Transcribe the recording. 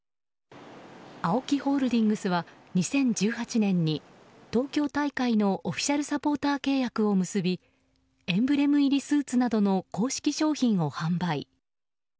ＡＯＫＩホールディングスは２０１８年に東京大会のオフィシャルサポーター契約を結びエンブレム入りスーツなどの公式商品を販売。